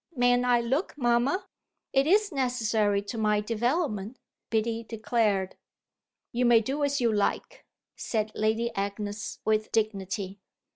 "Mayn't I look, mamma? It is necessary to my development," Biddy declared. "You may do as you like," said Lady Agnes with dignity.